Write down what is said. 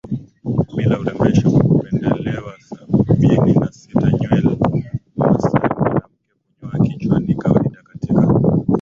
bila urembesho hupendelewa Sabini na sita Nywel Mmasai mwanamke Kunyoa kichwa ni kawaida katika